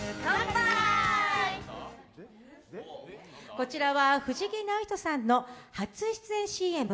こちらは藤木直人さんの初出演ＣＭ。